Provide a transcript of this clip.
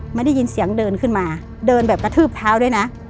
ไม่ได้ยินเสียงเดินขึ้นมาเดินแบบกระทืบเท้าด้วยนะ